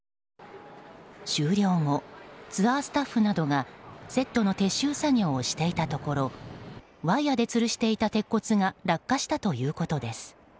終了後、ツアースタッフなどがセットの撤収作業をしていたところワイヤでつるしていた鉄骨が落下したということです。